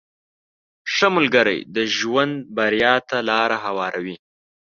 • ښه ملګری د ژوند بریا ته لاره هواروي.